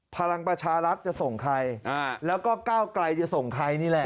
พลังประชารัฐจะส่งใครแล้วก็ก้าวไกลจะส่งใครนี่แหละ